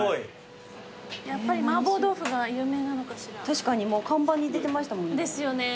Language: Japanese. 確かにもう看板に出てましたもんね。